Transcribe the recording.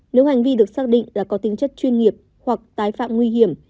nếu hành vi được xác định là có tính chất chuyên nghiệp hoặc tái phạm nguy hiểm